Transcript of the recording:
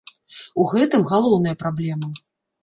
У гэтым галоўная праблема.